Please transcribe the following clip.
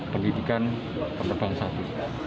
pendidikan penerbang satu